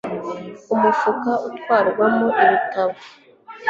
umufuka utwarwamo ibitabo